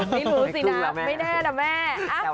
ไม่รู้สินะไม่แน่นะแม่